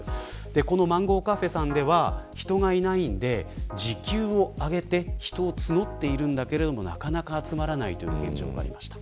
このマンゴーカフェさんでは人がいないので時給を上げて人を募っているけど、なかなか集まらないという現状がある。